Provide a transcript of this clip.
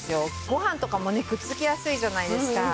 ご飯とかもねくっつきやすいじゃないですか。